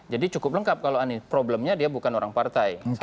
jadi cukup lengkap kalau anies problemnya dia bukan orang partai